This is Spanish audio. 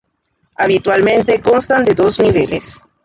Habitualmente constan de dos niveles.